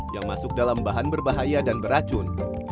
yang masuk dalam bahan berbahaya dan beracun